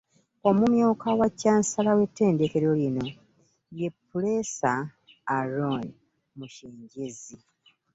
Omumyuka wa Ccansala w'ettendekero lino, ye Ppuleesa Aaron Mushengyezi,